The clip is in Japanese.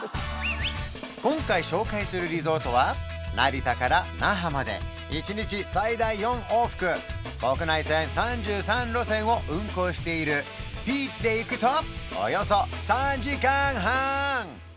今回紹介するリゾートは成田から那覇まで１日最大４往復国内線３３路線を運航しているピーチで行くとおよそ３時間半！